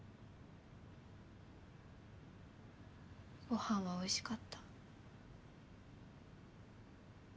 ご飯はおいしかった？